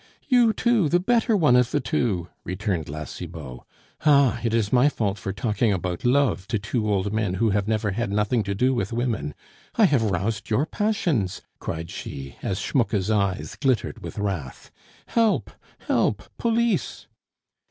"You too, the better one of the two!" returned La Cibot. "Ah! it is my fault for talking about love to two old men who have never had nothing to do with women. I have roused your passions," cried she, as Schmucke's eyes glittered with wrath. "Help! help! police!"